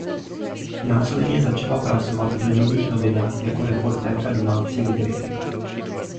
Následně začala pracovat v "Lidových novinách" jako reportérka domácí rubriky.